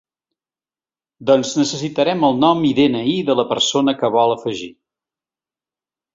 Doncs necessitarem el nom i de-ena-i de la persona que vol afegir.